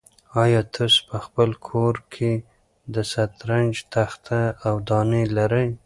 آیا تاسو په خپل کور کې د شطرنج تخته او دانې لرئ؟